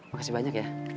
makasih banyak ya